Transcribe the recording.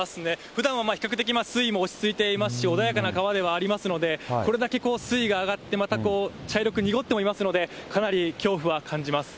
ふだんは比較的水位も落ち着いていますし、穏やかな川ではありますので、これだけ水位が上がって、また茶色く濁ってもいますので、かなり恐怖は感じます。